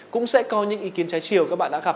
cũng sẽ có những ý kiến trái chiều các bạn đã gặp